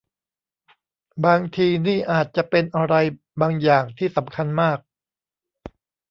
บางทีนี่อาจจะเป็นอะไรบางอย่างที่สำคัญมาก